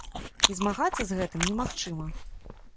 І змагацца з гэтым немагчыма.